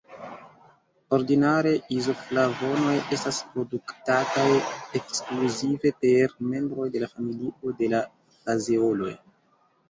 Ordinare izoflavonoj estas produktataj ekskluzive per membroj de la familio de la fazeoloj.